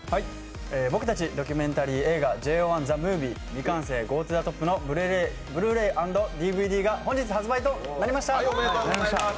僕たち、ドキュメンタリー映画、「ＪＯ１ＴＨＥＭＯＶＩＥ『未完成』−ＧｏｔｏｔｈｅＴＯＰ−」のＢｌｕ−ｒａｙ＆ＤＶＤが本日発売となりました。